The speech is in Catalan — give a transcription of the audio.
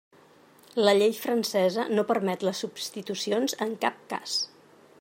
La llei francesa no permet les substitucions en cap cas.